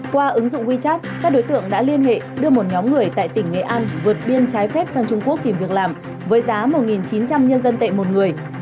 qua ứng dụng wechat các đối tượng đã liên hệ đưa một nhóm người tại tỉnh nghệ an vượt biên trái phép sang trung quốc tìm việc làm với giá một chín trăm linh nhân dân tệ một người